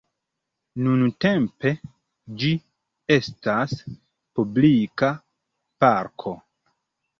Nuntempe ĝi estas publika parko.